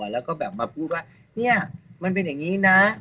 แล้วก็แบบมาพูดว่าเนี่ยมันเป็นอย่างนี้นะ